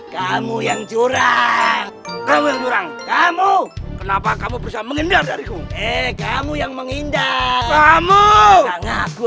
kamu yang curang kamu kenapa kamu bersama menghindar dari kamu yang menghindar kamu